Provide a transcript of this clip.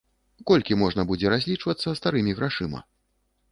Колькі можна будзе разлічвацца старымі грашыма?